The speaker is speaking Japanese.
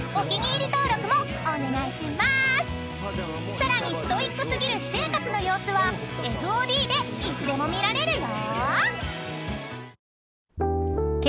［さらにストイック過ぎる私生活の様子はＦＯＤでいつでも見られるよ］